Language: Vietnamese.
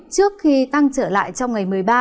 trước khi tăng trở lại trong ngày một mươi ba